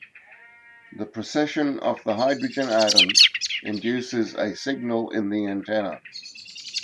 The precession of the hydrogen atoms induces a signal in the antenna.